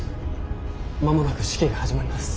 間もなく式が始まります。